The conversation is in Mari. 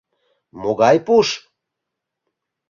Могай пуш?